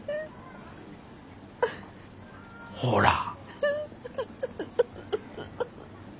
ほら。